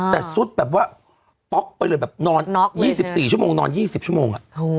แต่สุดป๊อกไปเลยนอน๒๔ชั่วโมงนอน๒๐ชั่วโมง